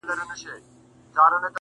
مامې په سکروټو کې خیالونه ورلېږلي وه،